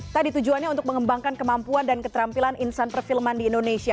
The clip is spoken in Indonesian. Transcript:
tadi tujuannya untuk mengembangkan kemampuan dan keterampilan insan perfilman di indonesia